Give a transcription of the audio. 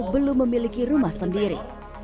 belum memiliki rumah sendiri